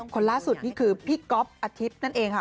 คนล่าสุดนี่คือพี่ก๊อฟอาทิตย์นั่นเองค่ะ